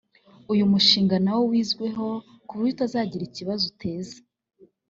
uyu mushinga nawo wizweho ku buryo utazagira ikibazo uteza